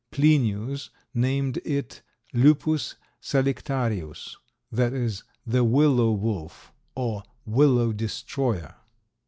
Plinius named it Lupus salictarius, that is, the willow wolf or willow destroyer.